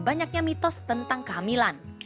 banyaknya mitos tentang kehamilan